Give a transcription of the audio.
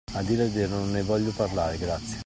A dire il vero non ne voglio parlare, grazie.